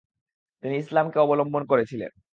তিনি ইসলামকে অবলম্বন করেছিলেন।